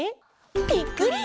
「ぴっくり！